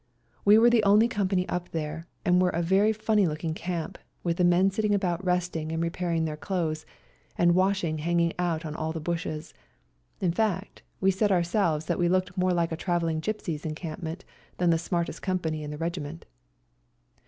We were the only company up there, and were a very funny looking camp, with the men sitting about resting and repairing their clothes, and washing hanging out on all the bushes; in fact, we said ourselves that we looked more like a travelling gipsies' encampment than the smartest company in the regiment.